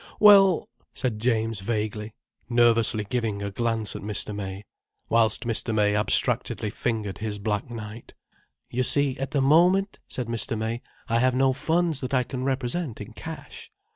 Well—" said James vaguely, nervously, giving a glance at Mr. May. Whilst Mr. May abstractedly fingered his black knight. "You see at the moment," said Mr. May, "I have no funds that I can represent in cash.